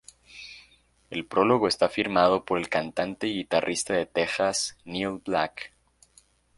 El prólogo está firmado por el cantante y guitarrista de Texas, Neal Black.